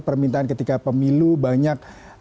permintaan ketika pemilu banyak